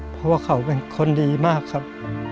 เพราะว่าเขาเป็นคนดีมากครับ